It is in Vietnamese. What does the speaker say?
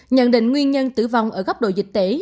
nhận định nguyên nhân tử vong ở góc độ dịch tễ